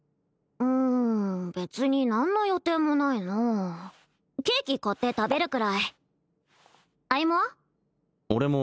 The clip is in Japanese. うん別に何の予定もないなケーキ買って食べるくらい歩は？